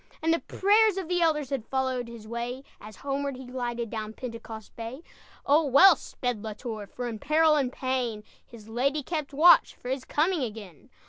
And the prayers of the elders Had followed his way, As homeward he glided, Down Pentecost Bay. Oh, well sped La Tour! For, in peril and pain, His lady kept watch, For his coming again.